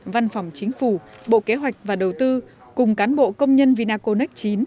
văn phòng chính phủ bộ kế hoạch và đầu tư cùng cán bộ công nhân vinaconex chín